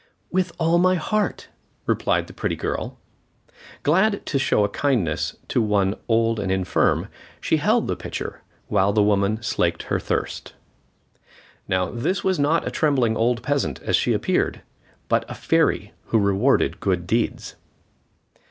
"With all my heart," replied the pretty girl. Glad to show a kindness to one old and infirm, she held the pitcher while the woman slaked her thirst. Now, this was not a trembling old peasant, as she appeared, but a fairy who rewarded good deeds.